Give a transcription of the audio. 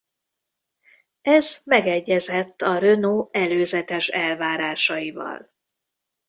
Ez megegyezett a Renault előzetes elvárásaival.